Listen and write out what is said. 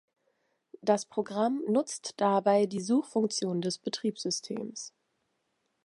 Das Programm nutzt dabei die Suchfunktion des Betriebssystems.